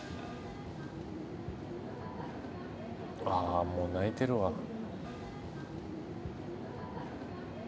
あもう泣いてるわ。